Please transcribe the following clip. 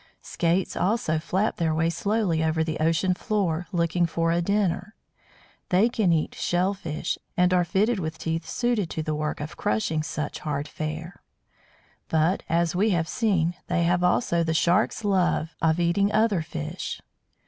Skates also flap their way slowly over the ocean floor, looking for a dinner. They can eat shell fish, and are fitted with teeth suited to the work of crushing such hard fare. But, as we have seen, they have also the Shark's love of eating other fish.